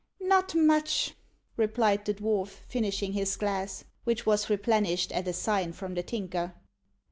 "Not much," replied the dwarf, finishing his glass, which was replenished at a sign from the Tinker.